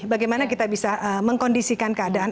bagaimana kita bisa mengkondisikan keadaan